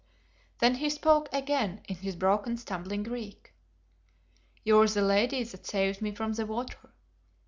Then he spoke again in his broken, stumbling Greek, "You are the lady who saved me from the water.